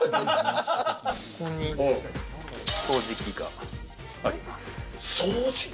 ここに掃除機があります。